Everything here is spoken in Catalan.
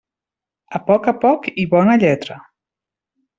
A poc a poc i bona lletra.